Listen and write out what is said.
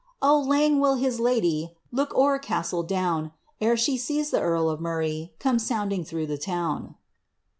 Oh, lang will his lady Look o*er Castle Bowne, Ere she see the earl of Murray Come sounding through the town."